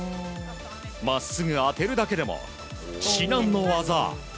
真っすぐ当てるだけでも至難の業。